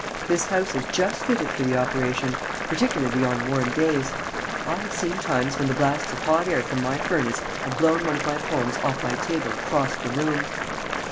This house is just fitted for the operation, particularly on warm days. I have seen times when the blasts of hot air from my furnace have blown one of my poems off my table across the room."